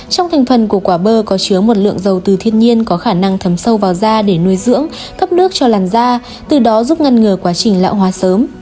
trong thành phần của quả bơ có chứa một lượng dầu từ thiên nhiên có khả năng thấm sâu vào da để nuôi dưỡng cấp nước cho làn da từ đó giúp ngăn ngừa quá trình lão hóa sớm